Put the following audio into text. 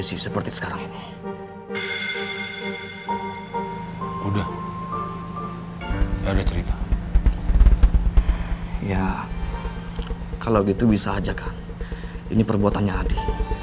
sekarang ini udah udah cerita ya kalau gitu bisa aja kan ini perbuatannya adi